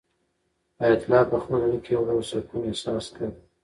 حیات الله په خپل زړه کې یو ډول سکون احساس کړ.